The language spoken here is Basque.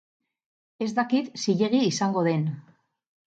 Ez dakit zilegi izango den.